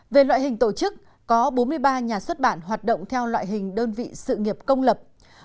về loại hình tổ chức có bốn mươi ba nhà xuất bản hoạt động theo loại hình đơn vị sự nghiệp công lập